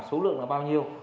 số lượng là bao nhiêu